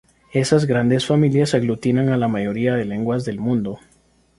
Esas grandes familias aglutinan a la mayoría de lenguas del mundo.